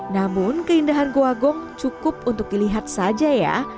namun keindahan goa gong cukup untuk dilihat saja ya